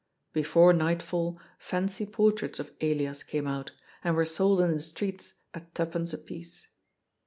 Before nightfall fancy portraits of Elias came out, and were sold in the streets at twopence a piece.